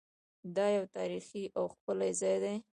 دا یو تاریخي او ښکلی ځای دی.